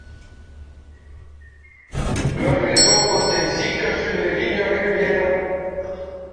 Le réseau compte ainsi que sur les lignes régulières.